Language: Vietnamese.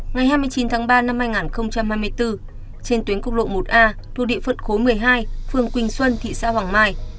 ngày hai mươi chín tháng ba năm hai nghìn hai mươi bốn trên tuyến quốc lộ một a thu địa phận khối một mươi hai phường quỳnh xuân thị xã hoàng mai